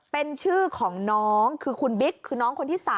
เป็นชื่อของน้องคือคุณบิ๊กคือน้องคนที่๓